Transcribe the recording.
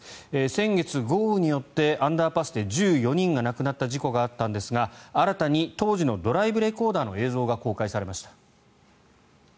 先月、豪雨によってアンダーパスで１４人が亡くなった事故があったんですが新たに当時のドライブレコーダーの映像が公開されました。